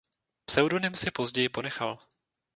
Pseudonym si později ponechal.